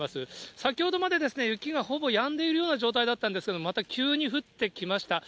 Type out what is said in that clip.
先ほどまで、雪がほぼやんでいるような状態だったんですけれども、また急に降ってきました。